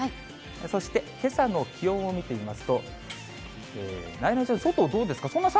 そしてけさの気温を見てみますと、なえなのちゃん、外どうですか？